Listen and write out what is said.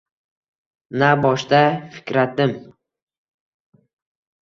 Na boshda fikratim.